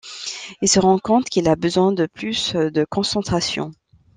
Il se rend compte qu'il a besoin de plus de concentration.